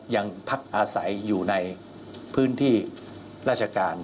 ยังพักอาศัยอยู่ในพื้นที่ราชการ